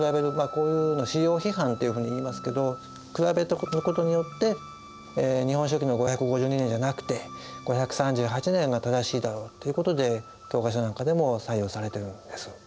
こういうのを史料批判っていうふうにいいますけど比べたことによって「日本書紀」の５５２年じゃなくて５３８年が正しいだろうということで教科書なんかでも採用されてるんです。